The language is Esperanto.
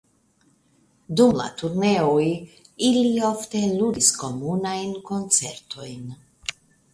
Dum la turneoj ili ofte ludis komunajn koncertojn.